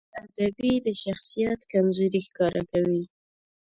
بېادبي د شخصیت کمزوري ښکاره کوي.